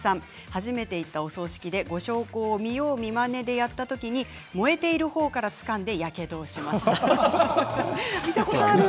初めて行ったお葬式でご焼香を見よう見まねでやったときに燃えているほうからつかんで見たことある。